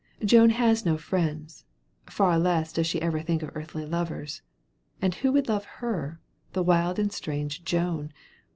Joan has no friends; far less does she ever think of earthly lovers; and who would love her, the wild and strange Joan!